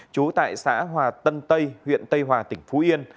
trú tại xã hòa tân tây huyện tây hòa tỉnh phú yên